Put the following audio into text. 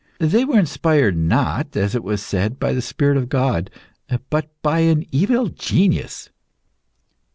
They were inspired not, as it was said, by the Spirit of God, but by an evil genius.